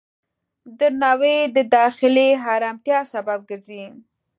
درناوی د داخلي آرامتیا سبب ګرځي.